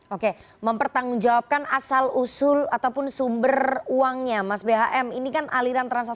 oke mempertanggungjawabkan asal usul ataupun sumber uangnya mas bhm ini kan aliran transaksi